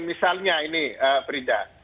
misalnya ini prida